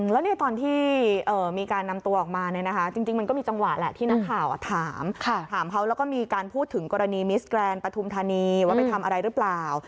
แล้วตอนที่มีการนำตัวออกมาเนี่ยนะคะจริงมันก็มีจังหวะแหละที่นักข่าวถามถามเขาแล้วก็มีการพูดถึงกรณีมิสแกรนดปฐุมธานีว่าไปทำอะไรหรือเปล่า